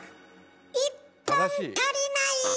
１本足りない！